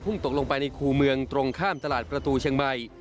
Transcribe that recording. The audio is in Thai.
พุ่งตกลงไปในครูเมืองตรงข้ามตลาดประตูเชียงมัย